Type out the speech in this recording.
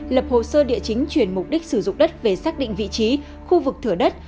lập hồ sơ địa chính chuyển mục đích sử dụng đất về xác định vị trí khu vực thửa đất